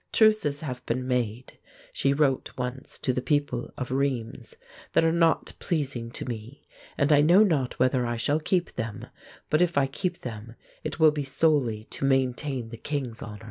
"Truces have been made," she wrote once to the people of Rheims, "that are not pleasing to me, and I know not whether I shall keep them; but if I keep them, it will be solely to maintain the king's honor."